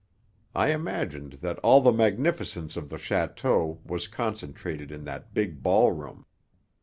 I imagined that all the magnificence of the château was concentrated in that big ballroom.